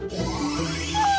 うわ！